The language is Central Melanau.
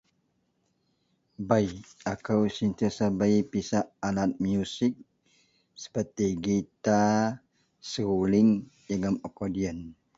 Bei, akou sentiasa bei pisak alat muzik seperti gitar, seruling jegem arkodiyen.